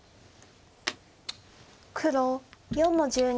黒４の十二。